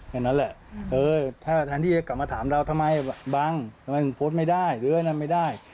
อย่างนั้นแหละเออถ้าแทนที่จะกลับมาถามเราทำไมบังทำไมถึงโพสต์ไม่ได้หรืออันนั้นไม่ได้